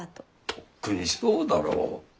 とっくにそうだろう？